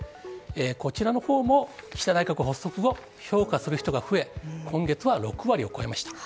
こちらのほうも岸田内閣発足後、評価する人が増え、今月は６割を超えました。